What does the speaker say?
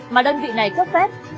mà đơn vị này cấp phép